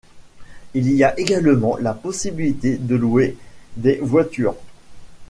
Il y a également la possibilité de louer des voitures.